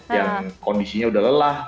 yang kondisinya udah lelah